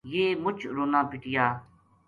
یہ مُچ رُنا پِٹیا